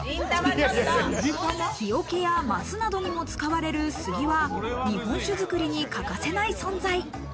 木おけや、ますなどにも使われる杉は日本酒づくりに欠かせない存在。